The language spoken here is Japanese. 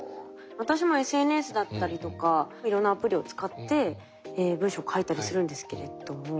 私もＳＮＳだったりとかいろんなアプリを使って文章を書いたりするんですけれども。